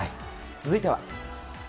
続いては。